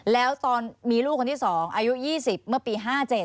แล้วตอนมีลูกคนที่๒อายุ๒๐เมื่อปี๕๗